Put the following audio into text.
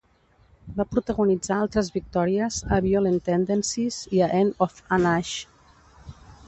Va protagonitzar altres victòries a "Violent Tendencies" i a "End of an Age".